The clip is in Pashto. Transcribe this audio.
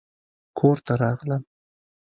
کور ته راغلم